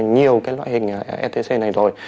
nhiều cái loại hình etc này rồi